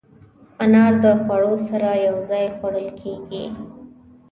انار د خوړو سره یو ځای خوړل کېږي.